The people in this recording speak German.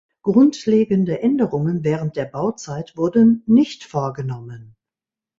Grundlegende Änderungen während der Bauzeit wurden nicht vorgenommen.